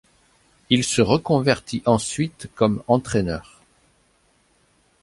Il se reconvertit ensuite comme entraineur.